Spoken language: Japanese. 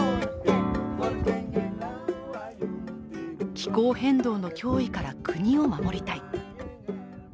気候変動の脅威から国を守りたい。